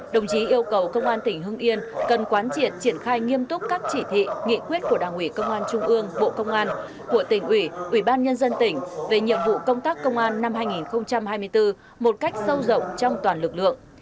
đồng chí yêu cầu công an tỉnh hưng yên cần quán triệt triển khai nghiêm túc các chỉ thị nghị quyết của đảng ủy công an trung ương bộ công an của tỉnh ủy ủy ban nhân dân tỉnh về nhiệm vụ công tác công an năm hai nghìn hai mươi bốn một cách sâu rộng trong toàn lực lượng